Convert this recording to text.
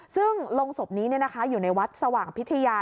ซึ่งโรงศพนี้อยู่ในวัดสว่างพิทยา